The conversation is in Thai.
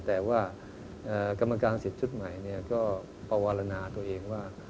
แต่ว่ากรรมการอาศิษย์ชุดใหม่ก็ประวัลนาตัวเองว่า